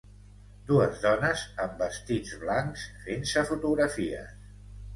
Dues dones amb vestits blancs fent-se fotografies